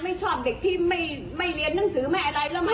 ไม่ชอบเด็กที่ไม่เรียนหนังสือไม่อะไรแล้วมั